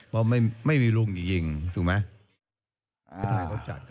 เพราะไม่มีลุงยิงถูกไหม